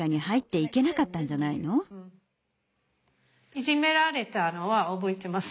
いじめられたのは覚えてます。